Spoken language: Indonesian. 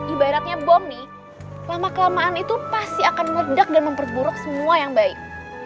ibaratnya bom nih lama kelamaan itu pasti akan meredak dan memperburuk semua yang baik